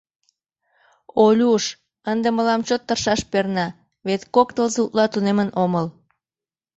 Олюш, ынде мылам чот тыршаш перна, вет кок тылзе утла тунемын омыл.